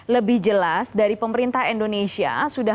lebih jelas dari pemerintah indonesia sudah